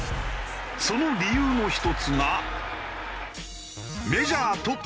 その理由の１つが。